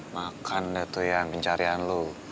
makan deh tuh ya pencarian lu